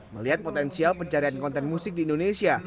melihat potensial pencarian konten musik di indonesia